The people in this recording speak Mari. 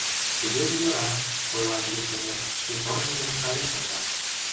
— Тугеже йӧра, — ойла милиционер, шке корныж дене каен колта.